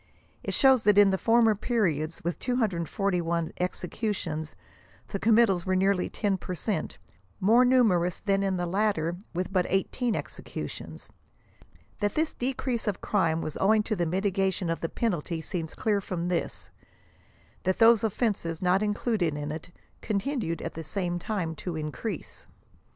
It shows that in the former periods, with 241 executions, the committals were nearly ten per cent, more numerous than in the latter with but 18 executions. That this decrease of crime was owing to the mitigation of the penalty seems clear from this ; that those of fenses not included in it, continued at the same time to in crease.